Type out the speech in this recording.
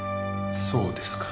そうですか。